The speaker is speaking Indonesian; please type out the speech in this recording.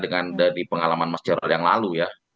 dengan dari pengalaman masjid al yang lalu ya